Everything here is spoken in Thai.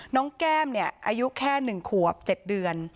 น้องแก้มเนี่ยอายุแค่๑ขวบ๗เดือน